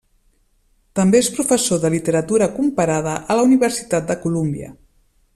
També és professor de Literatura comparada a la Universitat de Colúmbia.